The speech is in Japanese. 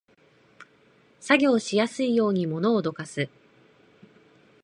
作業しやすいように物をどかす